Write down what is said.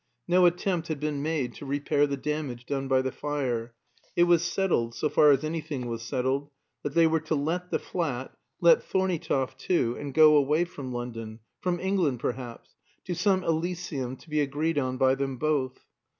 No attempt had been made to repair the damage done by the fire. It was settled so far as anything was settled that they were to let the flat, let Thorneytoft too, and go away from London, from England perhaps, to some Elysium to be agreed on by them both.